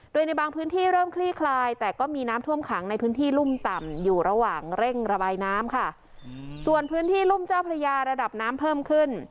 โดยในบางพื้นที่เริ่มคลี่คลายแต่ก็มีน้ำท่วมขังในพื้นที่รุ่มต่ำอยู่ระหว่างเร่งระบายน้ำค่ะส่วนพื้นที่รุ่มเจ้าพระยาระดับน้ำเพิ่มขึ้น